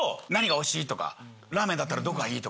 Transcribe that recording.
ラーメンだったらどこがいい？